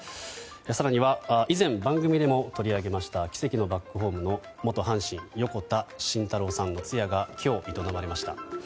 更には以前、番組でも取り上げました奇跡のバックホームの元阪神、横田慎太郎さんの通夜が今日、営まれました。